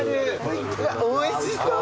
おいしそう！